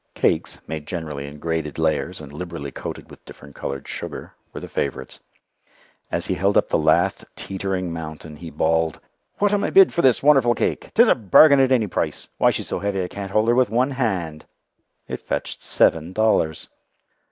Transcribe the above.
Cakes, made generally in graded layers and liberally coated with different coloured sugar, were the favourites. As he held up the last teetering mountain he "bawled": "What am I bid for this wonderful cake? 'Tis a bargain at any price. Why, she's so heavy I can't hold her with one hand." It fetched seven dollars!